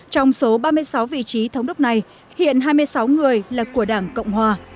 trong số ba mươi sáu vị trí thống đốc này hiện hai mươi sáu người là của đảng cộng hòa